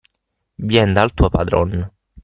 Vien dal tuo padron.